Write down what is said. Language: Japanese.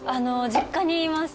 実家にいます。